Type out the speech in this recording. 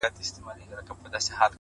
ستا د تصور تصوير كي بيا يوه اوونۍ جگړه ـ